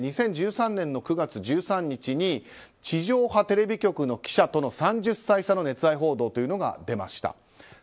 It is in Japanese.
２０１３年の９月１３日に地上波テレビ局の記者との３０歳差の熱愛報道が出ました。